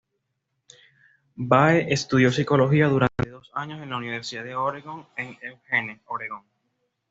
Bae estudió psicología durante dos años en la Universidad de Oregón en Eugene, Oregón.